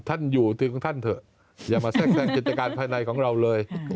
ท่านอยู่ถึงท่านเถอะอย่ามาแทรกแทรงกิจการภายในของเราเลย